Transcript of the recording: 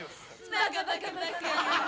バカバカバカ。